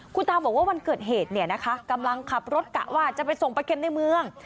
คุณตาบอกว่าวันเกิดเหตุเนี่ยนะคะกำลังขับรถกะว่าจะไปส่งปลาเข็มในเมือง